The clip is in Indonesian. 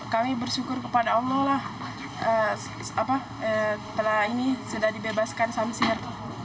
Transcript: kami bersyukur kepada allah lah setelah ini sudah dibebaskan samsir